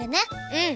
うん。